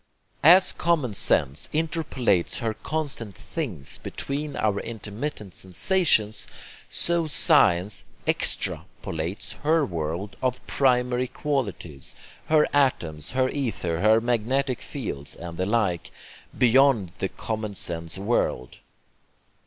As common sense interpolates her constant 'things' between our intermittent sensations, so science EXTRApolates her world of 'primary' qualities, her atoms, her ether, her magnetic fields, and the like, beyond the common sense world.